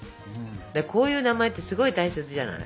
こういう名前ってすごい大切じゃない？